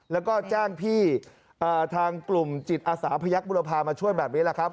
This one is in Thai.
แล้วก็แจ้งพี่ทางกลุ่มจิตอาสาพยักษ์บุรพามาช่วยแบบนี้แหละครับ